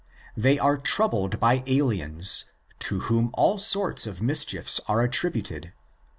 They are troubled: by aliens, to whom all sorts of mischiefs are attributed (11.